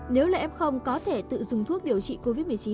nếu là f có thể tự dùng thuốc điều trị covid một mươi chín